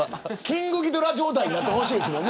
キングギドラ状態になってほしいですもん。